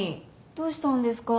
どうしたんですか？